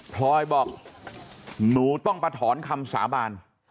พลอยบอกหนูต้องมาถอนคำสาบาน